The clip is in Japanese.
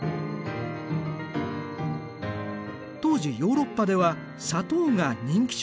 当時ヨーロッパでは砂糖が人気商品となっていた。